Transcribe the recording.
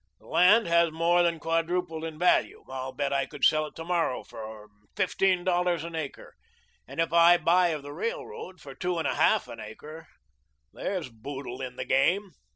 The land has more than quadrupled in value. I'll bet I could sell it to morrow for fifteen dollars an acre, and if I buy of the railroad for two and a half an acre, there's boodle in the game."